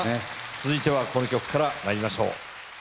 続いてはこの曲からまいりましょう。